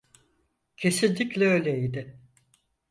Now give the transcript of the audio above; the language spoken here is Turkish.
Kesinlikle öyleydi.